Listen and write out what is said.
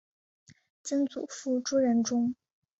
曾祖父朱仁仲。